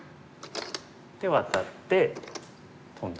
でワタってトンだ。